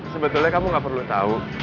sebetulnya kamu gak perlu tahu